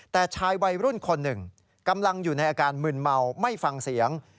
แต่ชายวัยรุ่นคนหนึ่งกำลังอยู่ในอาการมึนเมาไม่ฟังเสียง